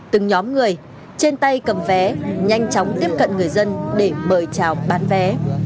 từng nhóm người trên tay cầm vé nhanh chóng tiếp cận người dân để mời chào bán vé